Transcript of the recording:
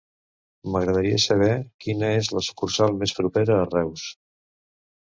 M'agradaria saber quina és la sucursal més propera a Reus.